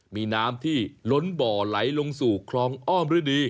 มีน้ำที่ล้นบ่อไหลลงสู่คลองอ้อมฤดี